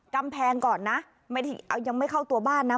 กำแพงก่อนนะไม่ได้ยังไม่เข้าตัวบ้านนะ